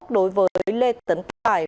đối với lê tấn tài